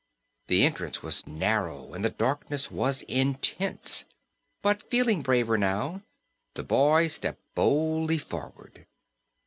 The entrance was narrow and the darkness was intense, but, feeling braver now, the boy stepped boldly forward.